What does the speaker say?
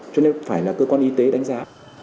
cho nên phải là cơ quan y tế đánh giá